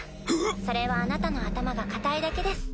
それはあなたの頭が固いだけです。